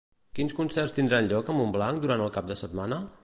Quins concerts tindran lloc a Montblanc durant el cap de setmana?